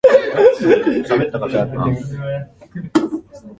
いまの銅駝中学の北にあった木戸孝允の住居跡に移りました